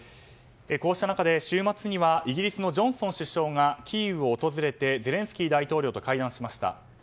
こうした中で週末にはイギリスのジョンソン首相がキーウを訪れてゼレンスキー大統領と会談しました。